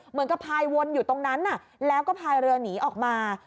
พายวนอยู่ตรงนั้นแล้วก็พายเรือหนีออกมา